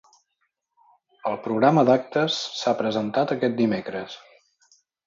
El programa d'actes s'ha presentat aquest dimecres.